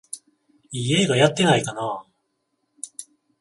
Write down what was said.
いい映画やってないかなあ